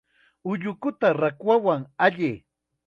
Ullukuta rakwan allay.